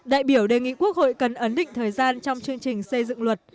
đại biểu đề nghị quốc hội cần ấn định thời gian trong chương trình xây dựng luật